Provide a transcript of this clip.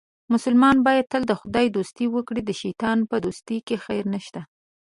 مسلمان باید تل د خدای دوستي وکړي، د شیطان په دوستۍ کې خیر نشته.